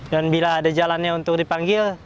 dan bila ada jalannya untuk dipanggil